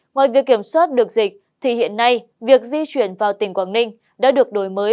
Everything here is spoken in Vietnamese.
ngoài việc kiểm soát được dịch thì hiện nay việc di chuyển vào tỉnh quảng ninh đã được đổi mới